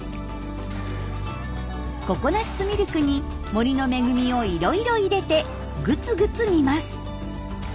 ココナツミルクに森の恵みをいろいろ入れてぐつぐつ煮ます。